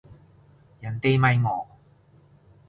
人哋咪哦